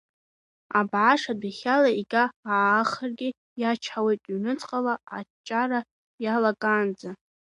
Абааш адәахьала егьа аахаргьы иачҳауеит ҩныҵҟала аҷҷара иалагаанӡа.